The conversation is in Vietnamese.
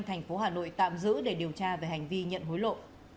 thành phố hà nội tạm giữ để điều tra về hành vi nhận hối lộ